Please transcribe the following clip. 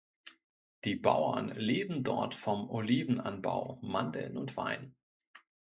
Die Bauern leben dort vom Olivenanbau, Mandeln und Wein.